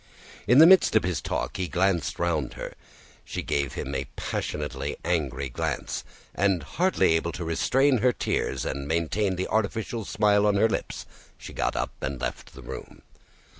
In the midst of his talk he glanced round at her. She gave him a passionately angry glance, and hardly able to restrain her tears and maintain the artificial smile on her lips, she got up and left the room.